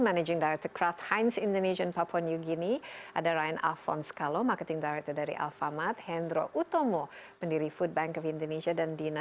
akan segera kembali